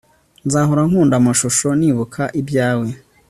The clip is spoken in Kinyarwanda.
nzahora nkunda amashusho nibuka ibyawe